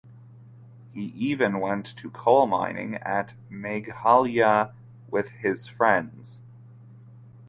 He even went to coal mining at Meghalaya with his friends.